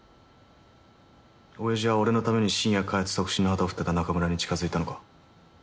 親父は俺のために新薬開発促進の旗を振ってた仲村に近づいたのか？